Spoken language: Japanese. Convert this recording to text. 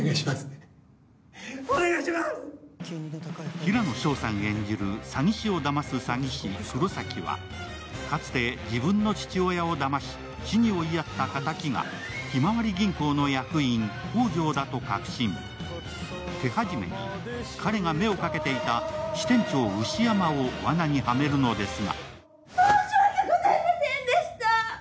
平野紫耀さん演じる、詐欺師をだます詐欺師、黒崎はかつて自分の父親をだまし、死に追いやった敵がひまわり銀行の役員・宝条だと確信手始めに彼が目をかけていた支店長・牛山をわなにはめるのですが。